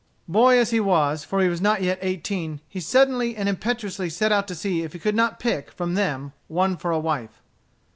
Boy as he was, for he was not yet eighteen, he suddenly and impetuously set out to see if he could not pick, from them, one for a wife.